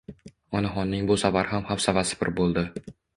Onaxonning bu safar ham xafsalasi pir boʻldi.